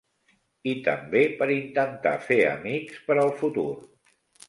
I també per intentar fer amics per al futur.